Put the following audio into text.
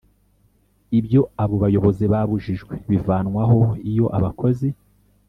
Ibyo abo bayobozi babujijwe bivanwaho iyo abakozi